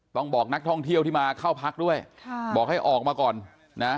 บอกนักท่องเที่ยวที่มาเข้าพักด้วยค่ะบอกให้ออกมาก่อนนะ